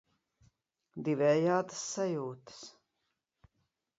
Divējādas sajūtas.